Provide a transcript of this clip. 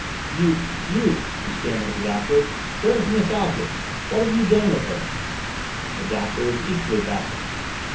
"You you," he stammered at the Doctor. "Where's Miss Ogden? What have you done with her?" The Doctor was equally baffled.